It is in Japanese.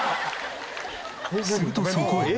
するとそこへ。